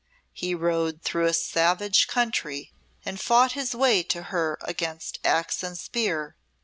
He rode through a savage country, and fought his way to her against axe and spear.